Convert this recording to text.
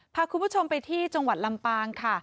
พาคุณผู้ชมไปที่จังหวัดลำปางค่ะ